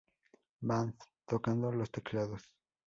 Band tocando los teclados.